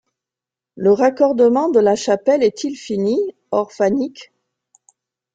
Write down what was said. Le raccordement de la chapelle est-il fini, Orfanik?